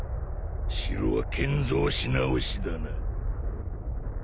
城は建造し直しだな。